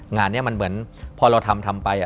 งานนี้มันเหมือนพอเราทำทำไป